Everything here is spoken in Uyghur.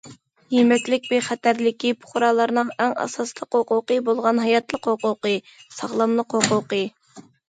يېمەكلىك بىخەتەرلىكى پۇقرالارنىڭ ئەڭ ئاساسى ھوقۇقى بولغان ھاياتلىق ھوقۇقى، ساغلاملىق ھوقۇقى.